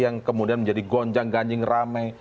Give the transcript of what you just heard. yang kemudian menjadi gonjang ganjing rame